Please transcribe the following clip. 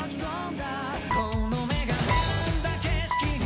「この目が選んだ景色に」